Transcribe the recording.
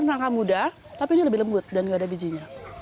ini rangka muda tapi ini lebih lembut dan nggak ada bijinya